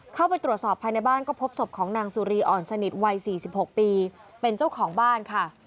เข้าไปตรวจสอบภายในบ้านก็พบศพของนางสุรีอ่อนสนิทวัย๔๖ปีเป็นเจ้าของบ้านค่ะ